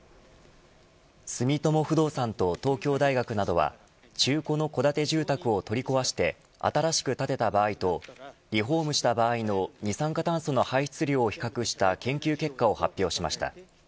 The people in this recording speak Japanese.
住友不動産と東京大学などは中古の戸建て住宅を取り壊して新しく建てた場合とリフォームした場合の二酸化炭素の排出量を比較した研究結果を発表しました。